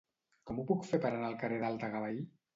Com ho puc fer per anar al carrer del Degà Bahí?